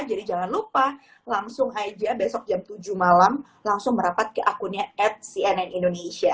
jangan lupa langsung aja besok jam tujuh malam langsung merapat ke akunnya at cnn indonesia